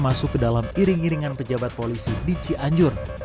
masuk ke dalam iring iringan pejabat polisi di cianjur